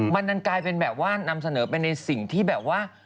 มันดันกลายเป็นแบบว่านำเสนอไปในสิ่งที่แบบว่า